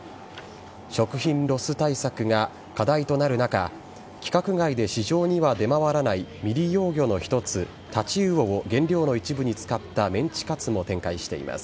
食品ロス対策が課題となる中規格外で市場には出回らない未利用魚の一つタチウオを原料の一部に使ったメンチカツも展開しています。